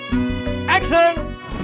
coba yang hitam